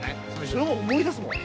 それ思い出すもん。